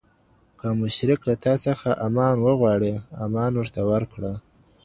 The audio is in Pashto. که مشرک له تا څخه امان وغواړي، امان ورته ورکړه.